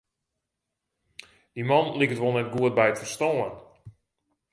Dy man liket wol net goed by it ferstân.